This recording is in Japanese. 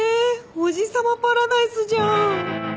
おじさまパラダイスじゃん。